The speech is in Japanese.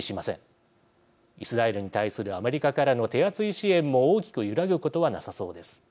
イスラエルに対するアメリカからの手厚い支援も大きく揺らぐことはなさそうです。